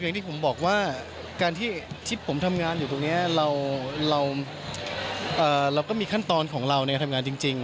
อย่างที่ผมบอกว่าการที่ผมทำงานอยู่ตรงนี้เราก็มีขั้นตอนของเราในการทำงานจริง